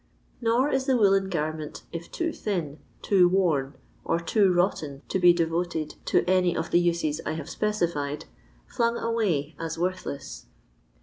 Nor is the woollen garment, if too thin, too worn, or too rotten to be devoted to any of the uses I have specified, flung away as worthless.